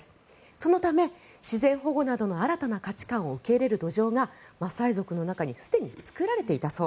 そのため自然保護などの新たな価値観を受け入れる土壌がマサイ族の中にすでに作られていたそう。